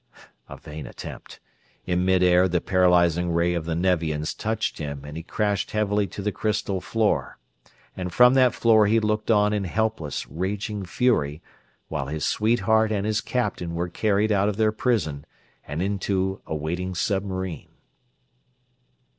A vain attempt. In midair the paralyzing ray of the Nevians touched him and he crashed heavily to the crystal floor; and from that floor he looked on in helpless, raging fury while his sweetheart and his captain were carried out of their prison and into a waiting submarine.